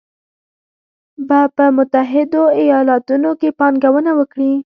به په متحدو ایالتونو کې پانګونه وکړي